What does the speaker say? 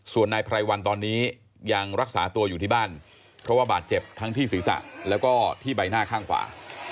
ส่วนนายไพรวันตอนนี้ยังรักษาตัวอยู่ที่บ้านเพราะว่าบาดเจ็บทั้งที่ศีรษะแล้วก็ที่ใบหน้าข้างขวา